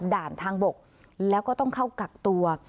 ด่านทางบกแล้วก็ต้องเข้ากักตัว